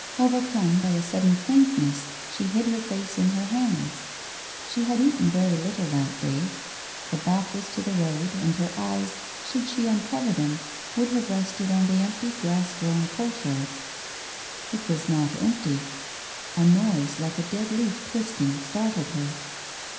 Overcome by a sudden faintness, she hid her face in her hands. She had eaten very little to day. Her back was to the road, and her eyes, should she uncover them, would have rested on the empty grass grown courtyard. It was not empty. A noise like a dead leaf twisting startled her.